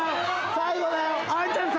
・最後だよ